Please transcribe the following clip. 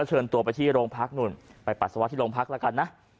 เชิญตัวไปที่โรงพักนู่นไปปัสสาวะที่โรงพักแล้วกันนะ